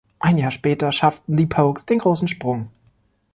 Ein Jahr später schafften The Pogues den großen Sprung.